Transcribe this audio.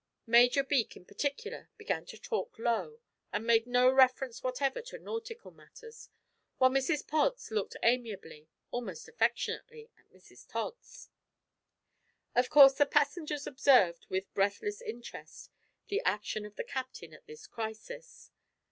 Major Beak, in particular, began to talk low, and made no reference whatever to nautical matters, while Mrs Pods looked amiably almost affectionately at Mrs Tods. Of course the passengers observed with breathless interest the action of the captain at this crisis.